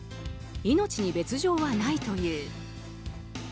命に別条はないという。